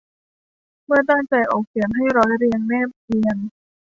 เมื่อตั้งใจออกเสียงให้ร้อยเรียงแนบเนียน